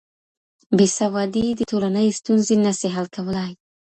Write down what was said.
بېسوادي د ټولني ستونزې نه سي حل کولی.